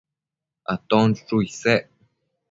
Aton chuchu isec